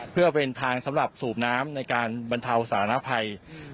เพื่อเป็นทางสำหรับสูบน้ำในการบรรเทาสารภัย